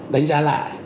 đánh giá lại